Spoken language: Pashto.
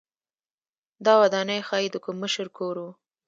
دا ودانۍ ښايي د کوم مشر کور و.